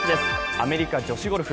アメリカ女子ゴルフ。